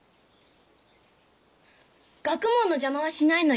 学問の邪魔はしないのよ。